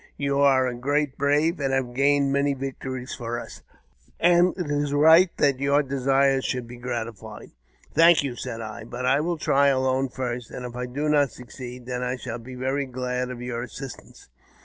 Yon are a great brave, and have gained many victories for us, and it is but right that your desires should be gratified." " Thank you," said I ;" but I will try alone first, and if I do not succeed, then I shall be very glad of your assistance."